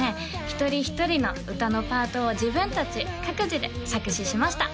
一人一人の歌のパートを自分達各自で作詞しました